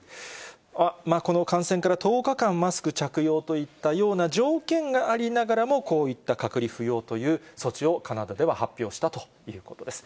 この感染から１０日間マスク着用といったような条件がありながらも、こういった隔離不要という措置をカナダでは発表したということです。